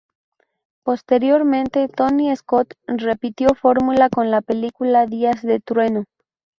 Posteriormente, Tony Scott repitió fórmula con la película "Días de trueno".